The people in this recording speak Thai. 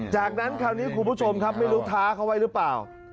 จากนั้นคราวนี้คุณผู้ชมครับไม่รู้ท้าเขาไว้หรือเปล่า